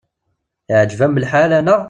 Iɛǧeb-am lḥal, anaɣ?